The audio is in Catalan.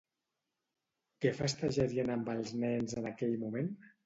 Què festejarien amb els nens en aquell moment?